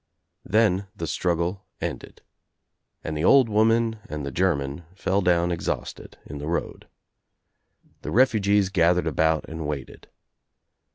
Then the struggle ended and the old woman and the German fell down exhausted in the road. The refugees gathered about and waited.